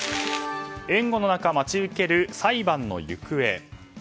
援護の中待ち受ける裁判の行方。